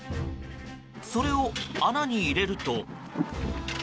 それを穴に入れると。